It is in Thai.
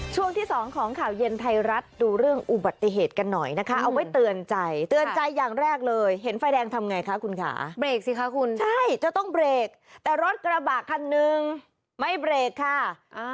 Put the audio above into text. ช่วงที่สองของข่าวเย็นไทยรัฐดูเรื่องอุบัติเหตุกันหน่อยนะคะเอาไว้เตือนใจเตือนใจอย่างแรกเลยเห็นไฟแดงทำไงคะคุณค่ะเบรกสิคะคุณใช่จะต้องเบรกแต่รถกระบะคันหนึ่งไม่เบรกค่ะ